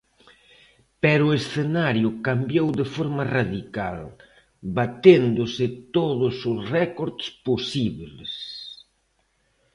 Pero o escenario cambiou de forma radical, baténdose todos os récords posibles.